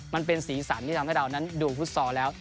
มันเป็นสีสันที่ทำให้เรานั้นดูฟุตซอลแล้ว